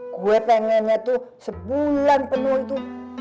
gue pengennya tuh sebulan penuh itu